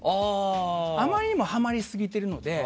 あまりにもはまりすぎているので。